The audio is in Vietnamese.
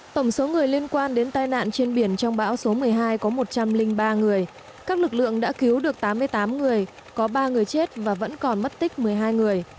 tổng số người liên quan đến tai nạn trên biển trong bão số một mươi hai có một trăm linh ba người các lực lượng đã cứu được tám mươi tám người có ba người chết và vẫn còn mất tích một mươi hai người